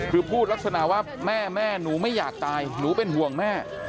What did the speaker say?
คือพูดลักษณะว่าแม่แม่หนูไม่อยากตายหนูเป็นห่วงแม่